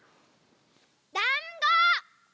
だんご！